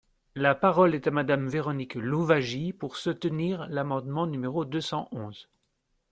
La parole est à Madame Véronique Louwagie, pour soutenir l’amendement numéro deux cent onze.